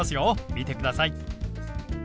見てください。